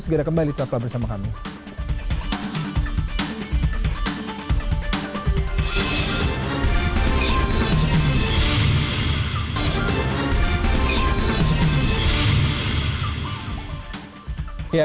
segera kembali selamat berjumpa bersama kami